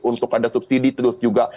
untuk ada subsidi terus juga